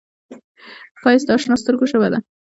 ښایست د اشنا سترګو ژبه ده